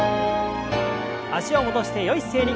脚を戻してよい姿勢に。